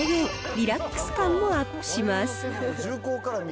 リラックス感もアップします。